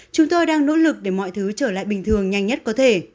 chúng tôi đang nỗ lực để mọi thứ trở lại bình thường nhanh nhất có thể